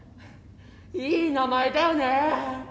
いい名前だよね。